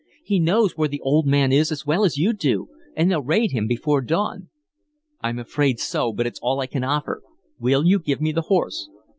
He knows where the old man is as well as you do, and they'll raid him before dawn." "I'm afraid so, but it's all I can offer. Will you give me the horse?"